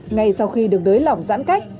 ngay sau khi được nới lỏng giãn cách